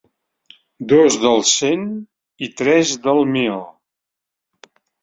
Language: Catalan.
Dos del cent i tres del mil.